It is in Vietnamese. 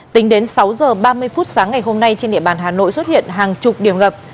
tính đến sáu h ba mươi phút sáng ngày hôm nay trên địa bàn hà nội xuất hiện hàng chục điểm ngập